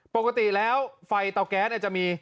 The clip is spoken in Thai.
ปกติแล้วไฟเตาแก๊สจะมี